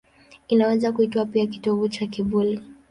Inaweza kuitwa pia kitovu cha kivuli.